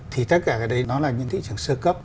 thì tất cả cái đấy nó là những thị trường sơ cấp